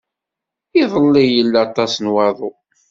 Iḍelli yella aṭas n waḍu.